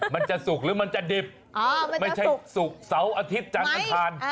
มันจะสุกหรือมันจะดิบไม่ใช่สุกเสาอาทิตย์จังกันทาน